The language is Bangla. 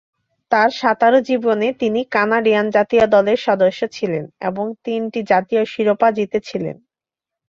তার সাঁতারু জীবনে তিনি কানাডিয়ান জাতীয় দলের সদস্য ছিলেন এবং তিনটি জাতীয় শিরোপা জিতেছিলেন।